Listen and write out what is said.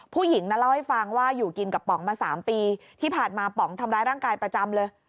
ผู้หญิงนั้นเล่าให้ฟังว่าอยู่กินกับป๋องมา๓ปีที่ผ่านมาป๋องทำร้ายร่างกายประจำเลย